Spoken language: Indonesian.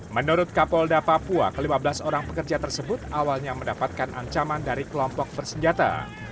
menurut kapolda papua ke lima belas orang pekerja tersebut awalnya mendapatkan ancaman dari kelompok bersenjata